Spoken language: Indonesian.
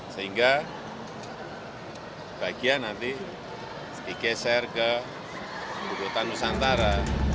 sehingga bagian nanti digeser ke ibu kota nusantara